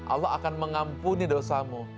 allah akan mengampuni dosamu